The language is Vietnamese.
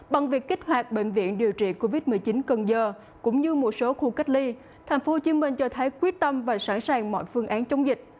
bằng việc kích hoạt bệnh viện điều trị covid một mươi chín cần giờ cũng như một số khu cách ly tp hcm cho thấy quyết tâm và sẵn sàng mọi phương án chống dịch